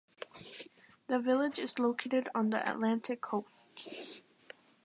The village is located on the Atlantic coast.